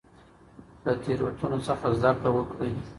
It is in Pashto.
له تیروتنو څخه زده کړه وکړئ.